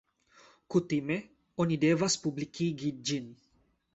Kutime oni devas publikigi ĝin.